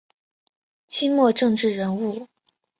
清末政治人物。